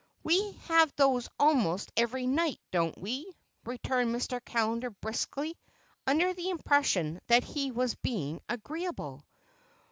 "We have those almost every night, don't we?" returned Mr. Callender briskly, under the impression that he was being agreeable.